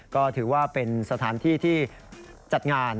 ก็ถือว่าเป็นสถานที่ที่จัดงาน